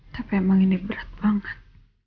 tapi emang ini berat banget